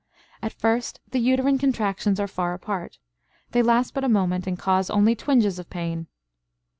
At first the uterine contractions are far apart; they last but a moment and cause only twinges of pain.